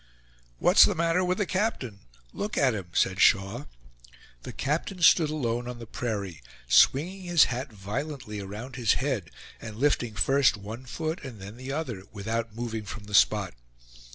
"What's the matter with the captain? look at him!" said Shaw. The captain stood alone on the prairie, swinging his hat violently around his head, and lifting first one foot and then the other, without moving from the spot.